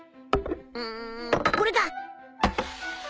うんこれか！